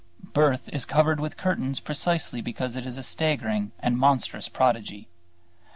Birth is covered with curtains precisely because it is a staggering and monstrous prodigy.